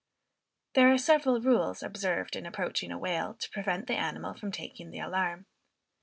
There are several rules observed in approaching a whale to prevent the animal from taking the alarm.